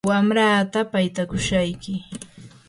wamrataa paytakushayki.